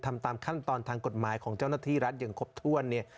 ทำตามขั้นตอนทางกฎหมายของเจ้าหน้าที่รัฐอย่างครบถ้วนเนี่ย